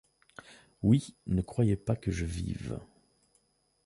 Oui, ne croyez pas que je vive.